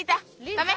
ダメ！